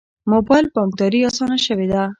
موبایل بانکداري اسانه شوې ده